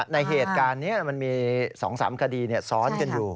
ในเหตุการณ์นี้มันมี๒๓คดีซ้อนกันอยู่